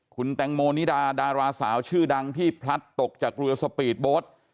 คุณแตงโมนิดาดาราสาวชื่อดังที่พลัดตกจากเรือสปีดโบ๊ท